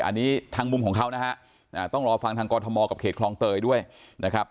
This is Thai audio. อันนี้ทางมุมของเขานะฮะต้องรอฟังทางกรทมกับเขตคลองเตยด้วยนะครับ